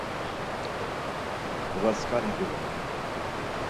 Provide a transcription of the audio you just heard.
Ğulaskani giğun.